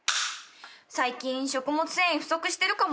「最近食物繊維不足してるかも」